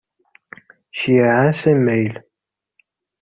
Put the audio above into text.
Ceyyɛeɣ-as amayel.